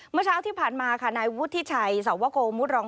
เมื่อเช้าที่ผ่านมาค่ะนายวุฒิชัยสวโกมุทรอง